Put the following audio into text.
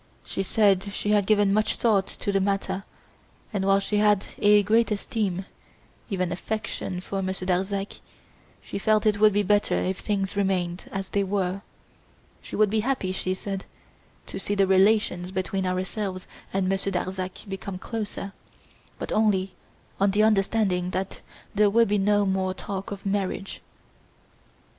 She said she had given much thought to the matter and while she had a great esteem, even affection, for Monsieur Darzac, she felt it would be better if things remained as they were. She would be happy, she said, to see the relations between ourselves and Monsieur Darzac become closer, but only on the understanding that there would be no more talk of marriage."